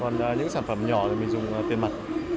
còn những sản phẩm nhỏ thì mình dùng tiền mặt